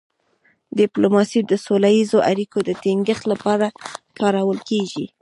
ډيپلوماسي د سوله ییزو اړیکو د ټینګښت لپاره کارول کېږي.